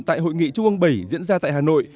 tại hội nghị trung ương bảy diễn ra tại hà nội